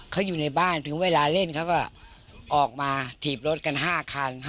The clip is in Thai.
เขาอยู่ในบ้านถึงเวลาเล่นเขาก็ออกมาถีบรถกัน๕คัน